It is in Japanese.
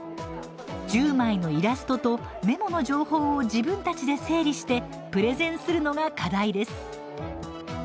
１０枚のイラストとメモの情報を自分たちで整理してプレゼンするのが課題です。